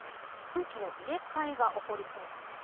空気の入れ替えが起こりそうなんです。